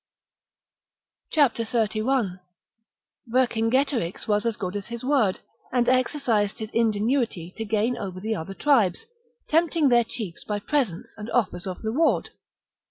31. Vercingetorix was as good as his word, and exercised his ingenuity to gain over the other tribes, tempting their chiefs by presents and offers of reward.